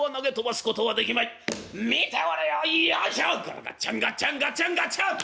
ゴロガッチャンガッチャンガッチャンガッチャン！